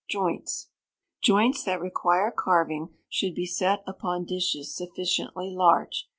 Joints. Joints that require carving should be set upon dishes sufficiently large.